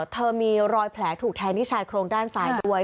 เธอมีรอยแผลถูกแทงที่ชายโครงด้านซ้ายด้วย